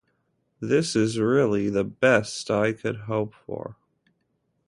This is really the best I could hope for.